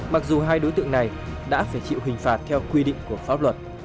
mặc dù hai đối tượng này đã phải chịu hình phạt theo quy định của pháp luật